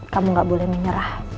kamu gak boleh menyerah